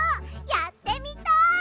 やってみたい！